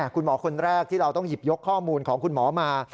คุณหมอคนแรกที่เราต้องหยิบยกข้อมูลของคุณหมอมา